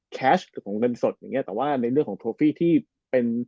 แคชหรือของเงินสดแต่ว่าในเรื่องของโทฟี่ที่เป็น